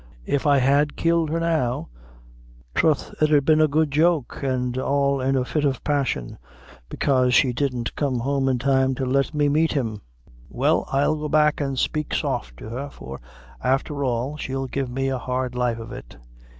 If I had killed her now, throth it 'ud be a good joke, an' all in a fit of passion, bekase she didn't come home in time to let me meet him. Well, I'll go back an' spake soft to her, for, afther all, she'll give me a hard life of it."